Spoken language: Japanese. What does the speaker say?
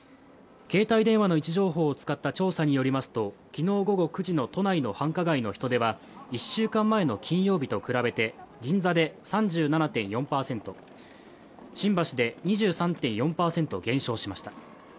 携帯電話の位置情報を使った調査によりますと、昨日午後９時の都内の繁華街の人出は、１週間前の金曜日と比べて銀座で３７．４％、新橋で３２．４％減少しました。